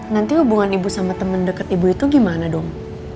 nanti hubungan ibu sama teman dekat ibu itu gimana dong